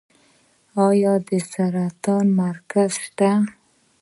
آیا د سرطان مرکز شته؟